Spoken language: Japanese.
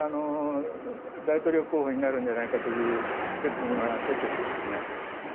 大統領候補になるんじゃないかという説も今、出ていますしね。